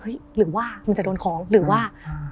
หรือว่ามันจะโดนของหรือว่า